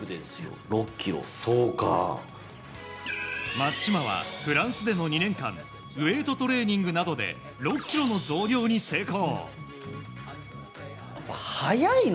松島はフランスでの２年間ウェートトレーニングなどで６ｋｇの増量に成功。